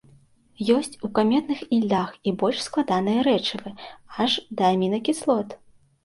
Ёсць у каметных ільдах і больш складаныя рэчывы, аж да амінакіслот.